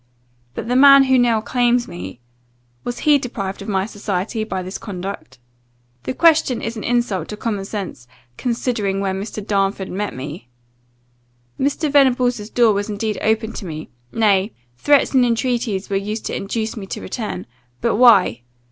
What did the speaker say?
But the man who now claims me was he deprived of my society by this conduct? The question is an insult to common sense, considering where Mr. Darnford met me. Mr. Venables' door was indeed open to me nay, threats and intreaties were used to induce me to return; but why?